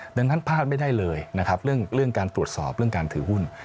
ดังนั้นพลาดไม่ได้เลยนะครับเรื่องการตรวจสอบเรื่องการถือหุ้น